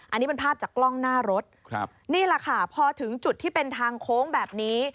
อันนี้เป็นภาพจากกล้องหน้ารถครับนี่แหละค่ะพอถึงจุดที่เป็นทางโค้งแบบนี้